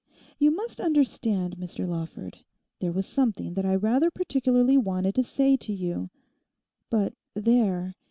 You must understand, Mr Lawford, there was something that I rather particularly wanted to say to you. But there!